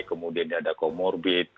kemudian ada komorbid